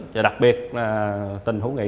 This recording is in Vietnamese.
và đặc biệt là tình hữu nghị